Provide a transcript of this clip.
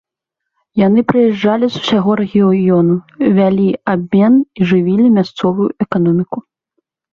Яны прыязджалі з усяго рэгіёна, вялі абмен і жывілі мясцовую эканоміку.